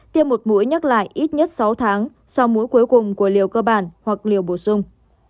tiêm một mũi nhắc lại ít nhất sáu tháng sau mũi cuối cùng của liều cơ bản hoặc liều bổ sung